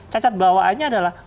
cacat bawaannya adalah